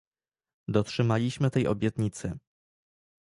Dotrzymaliśmy tej obietnicy